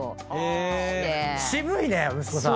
渋いね息子さん。